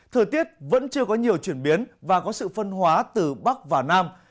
thời tiết vẫn chưa có nhiều chuyển biến và có sự phân hóa từ bắc và nam